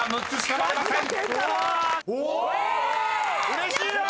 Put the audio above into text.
うれしいよ！